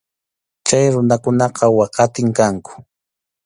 Chay runakunaqa waqatim kanku.